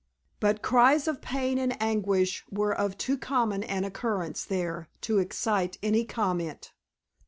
But cries of pain and anguish were of too common an occurrence there to excite any comment.